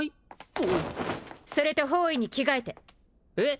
おっそれと法衣に着替えてえっ？